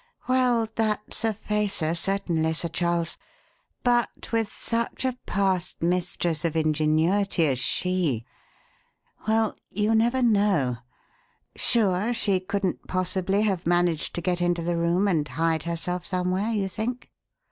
"Well, that's a facer, certainly, Sir Charles; but with such a past mistress of ingenuity as she well, you never know. Sure she couldn't possibly have managed to get into the room and hide herself somewhere, you think?"